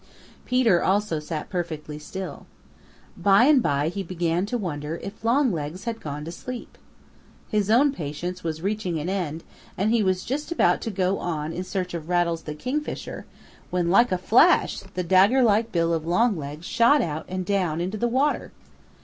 Peter also sat perfectly still. By and by he began to wonder if Longlegs had gone to sleep. His own patience was reaching an end and he was just about to go on in search of Rattles the Kingfisher when like a flash the dagger like bill of Longlegs shot out and down into the water.